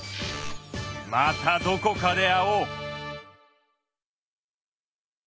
またどこかで会おう！